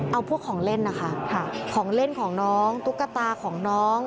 เอาพวกของเล่นนะคะของเล่นของน้องตุ๊กตาของน้อง